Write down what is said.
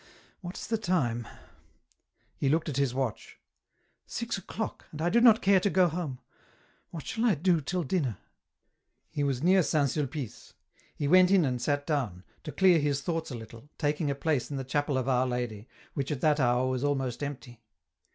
.. what is the time ?" He looked at his watch. " Six o'clock, and I do not care to go home. What shall I do till dinner ?" He was near St. Sulpice. He went in and sat down, to clear his thoughts a little, taking a place in the Chapel of Our Lady, which at that hour was almost empty.